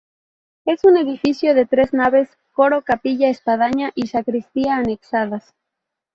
Es un edificio de tres naves, coro, capilla, espadaña y sacristía anexadas.